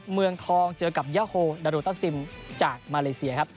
เมืองทองเจอกับยาโฮดาโรต้าซิมจากมาเลเซียครับ